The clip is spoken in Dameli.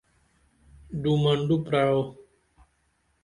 دو منڈوہ پرعو